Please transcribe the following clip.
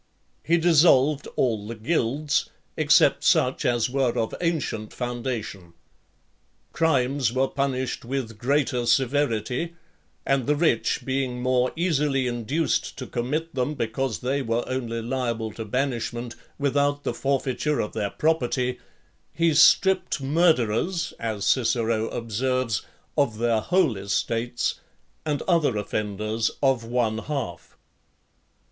He dissolved all the guilds, except such as were of ancient foundation. Crimes were punished with greater severity; and the rich being more easily induced to commit them because they were only liable to banishment, without the forfeiture of their property, he stripped murderers, as Cicero observes, of their whole estates, and other offenders of one half.